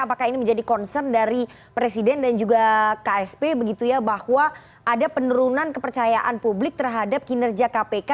apakah ini menjadi concern dari presiden dan juga ksp begitu ya bahwa ada penurunan kepercayaan publik terhadap kinerja kpk